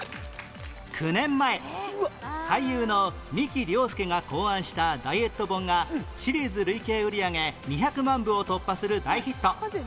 ９年前俳優の美木良介が考案したダイエット本がシリーズ累計売上２００万部を突破する大ヒット